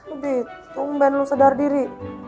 adit tumben lo sedar diri